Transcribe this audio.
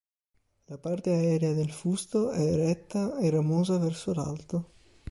La parte aerea del fusto è eretta e ramosa verso l'alto.